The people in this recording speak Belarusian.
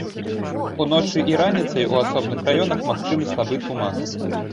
Уночы і раніцай у асобных раёнах магчымы слабы туман.